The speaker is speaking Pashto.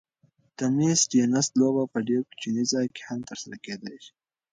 د مېز تېنس لوبه په ډېر کوچني ځای کې هم ترسره کېدای شي.